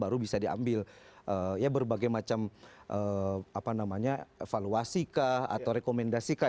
baru bisa diambil berbagai macam evaluasi kah atau rekomendasi kah